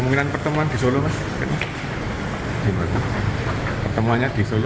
bukan apa apa pokok di solo